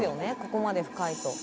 ここまで深いと。